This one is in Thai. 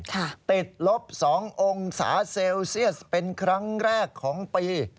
ติดลบ๒องศาเซลเซียสเป็นครั้งแรกของปี